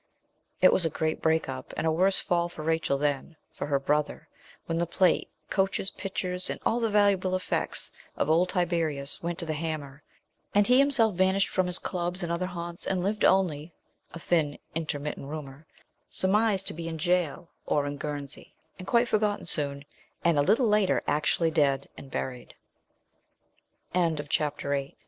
It was a great break up, and a worse fall for Rachel than for her brother, when the plate, coaches, pictures, and all the valuable effects' of old Tiberius went to the hammer, and he himself vanished from his clubs and other haunts, and lived only a thin intermittent rumour surmised to be in gaol, or in Guernsey, and quite forgotten soon, and a little later actually dead and buried. CHAPTER IX. I SEE THE R